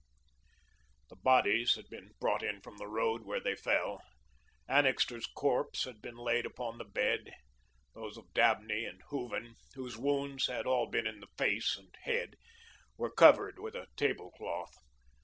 The bodies had been brought in from the road where they fell. Annixter's corpse had been laid upon the bed; those of Dabney and Hooven, whose wounds had all been in the face and head, were covered with a tablecloth.